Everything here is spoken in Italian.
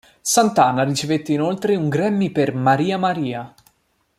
Santana ricevette inoltre un Grammy per "Maria Maria".